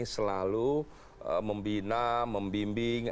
selalu membina membimbing